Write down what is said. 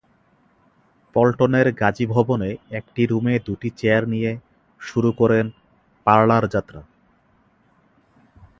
পল্টনের গাজী ভবনে একটি রুমে দুটি চেয়ার নিয়ে শুরু করেন পারলার যাত্রা।